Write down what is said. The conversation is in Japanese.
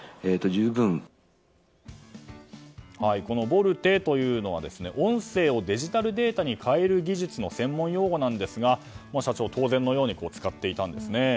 ボルテというのは音声をデジタルデータに変える技術の専門用語なんですが社長、当然のように使っていたんですね。